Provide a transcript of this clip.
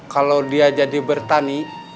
kalau dia jadi bertani